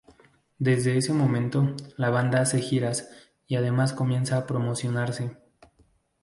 Desde ese momento, la banda hace giras, y además comienza a promocionarse.